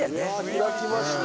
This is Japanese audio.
開きました。